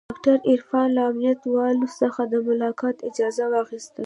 ډاکتر عرفان له امنيت والاو څخه د ملاقات اجازه واخيسته.